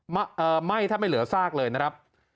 ไม่ถ้าไม่เหลือซากเลยนะครับ